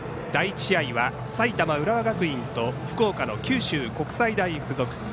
第１試合は埼玉、浦和学院と福岡の九州国際大付属。